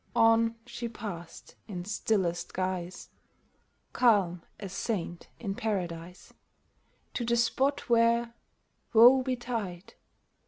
On she passed in stillest guise, Calm as saint in Paradise, To the spot where — woe betide